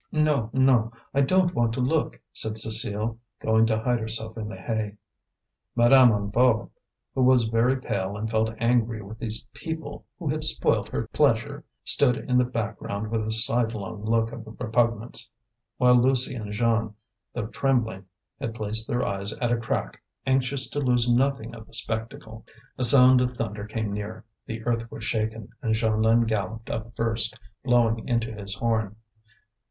"No, no! I don't want to look," said Cécile, going to hide herself in the hay. Madame Hennebeau, who was very pale and felt angry with these people who had spoilt her pleasure, stood in the background with a sidelong look of repugnance; while Lucie and Jeanne, though trembling, had placed their eyes at a crack, anxious to lose nothing of the spectacle. A sound of thunder came near, the earth was shaken, and Jeanlin galloped up first, blowing into his horn.